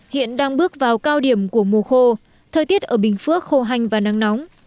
hiện đang bước vào cao điểm của mùa khô thời tiết ở bình phước khô hanh và nắng nóng